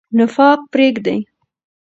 نفاق پریږدئ.